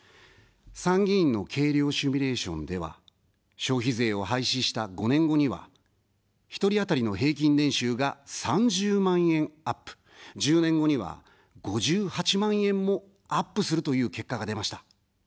参議院の計量シミュレーションでは、消費税を廃止した５年後には１人当たりの平均年収が３０万円アップ、１０年後には５８万円もアップするという結果が出ました。